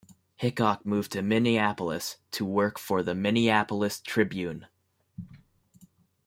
Hickok moved to Minneapolis to work for the "Minneapolis Tribune".